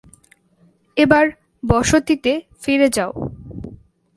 এবার বসতিতে ফিরে যাও।